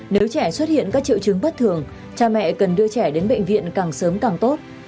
nếu trẻ xuất hiện các triệu chứng bất thường cha mẹ cần đưa trẻ đến bệnh viện càng sớm càng tốt